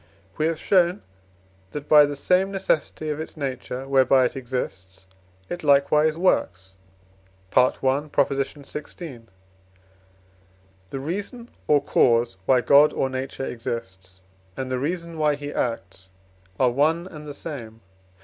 For we have shown, that by the same necessity of its nature, whereby it exists, it likewise works (I. xvi.). The reason or cause why God or Nature exists, and the reason why he acts, are one and the same.